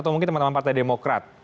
atau mungkin teman teman partai demokrat